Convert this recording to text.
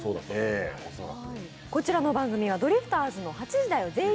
こちらの番組はドリフターズの「８時だョ！